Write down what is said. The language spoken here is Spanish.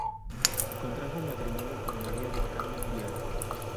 Contrajo matrimonio con María de Carmen Vial.